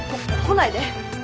来ないで。